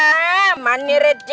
bildangan mia tadi